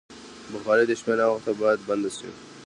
بخاري د شپې ناوخته باید بنده شي.